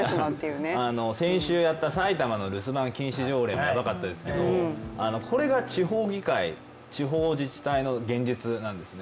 これ、先週やった埼玉の留守番禁止条例もやばかったですけどこれが地方議会、地方自治体の現実なんですね。